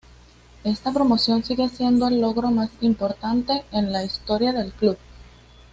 Esta promoción sigue siendo el logro más importante en la historia del club.